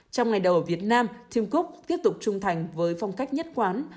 trong ngày đầu ở việt nam tìm cúc tiếp tục trung thành với phong cách nhất quán